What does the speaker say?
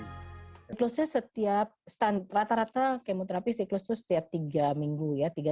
siklusnya setiap rata rata kemoterapi siklus itu setiap tiga minggu ya